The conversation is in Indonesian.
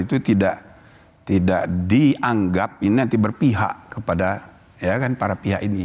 itu tidak dianggap ini nanti berpihak kepada para pihak ini